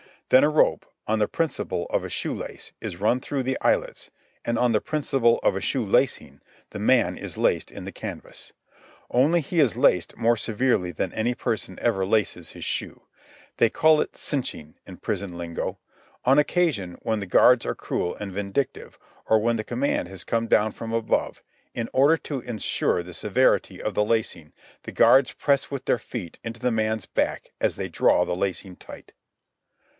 Then a rope, on the principle of a shoe lace, is run through the eyelets, and on the principle of a shoe lacing the man is laced in the canvas. Only he is laced more severely than any person ever laces his shoe. They call it "cinching" in prison lingo. On occasion, when the guards are cruel and vindictive, or when the command has come down from above, in order to insure the severity of the lacing the guards press with their feet into the man's back as they draw the lacing tight.